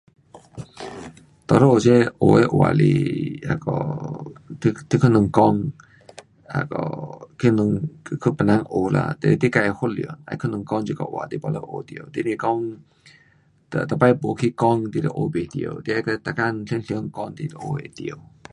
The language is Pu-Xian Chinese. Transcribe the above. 多数这有的话是那个，你，你跟人讲，那个跟人，跟别人学啦，你，你自训练，要跟人讲这个话，你 baru 会学到，你若讲每，每次没去讲，你就学不到。你要每天常常讲你就学会到。